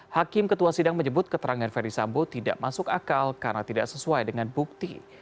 hakim ketua sidang menyebut keterangan ferdisambo tidak masuk akal karena tidak sesuai dengan bukti